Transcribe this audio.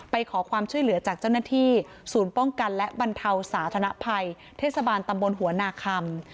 ไปขอความช่วยเหลือจากเจ้าหน้าที่ศูนย์ป้องกันและบรรเทาสาธนภัยเทศบาลตำบลหัวนาคัม